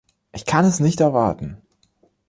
Ich kann es nicht erwarten!